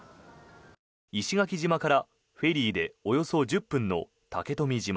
石垣島からフェリーでおよそ１０分の竹富島。